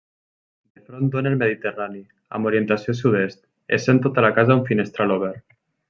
De front dóna al Mediterrani, amb orientació sud-est, essent tota la casa un finestral obert.